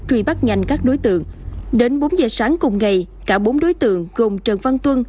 truy bắt nhanh các đối tượng đến bốn giờ sáng cùng ngày cả bốn đối tượng gồm trần văn tuân